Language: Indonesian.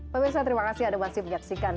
pemirsa terima kasih anda masih menyaksikan